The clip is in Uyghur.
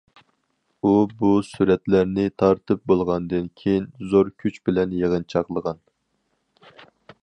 ئۇ بۇ سۈرەتلەرنى تارتىپ بولغاندىن كىيىن زور كۈچ بىلەن يىغىنچاقلىغان.